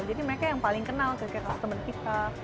jadi mereka yang paling kenal kayak customer kita